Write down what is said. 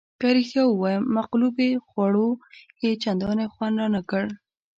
که رښتیا ووایم مقلوبې خوړو یې چندانې خوند رانه کړ.